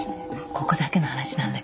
ここだけの話なんだけどね